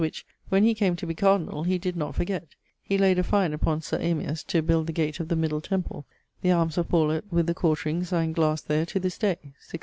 ], which, when he came to be Cardinall, he did not forget; he layed a fine upon Sir Amias to build the gate of the Middle Temple; the armes of Pawlet, with the quartrings, are in glasse there to this day (1680).